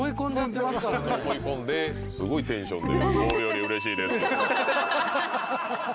思い込んですごいテンションで。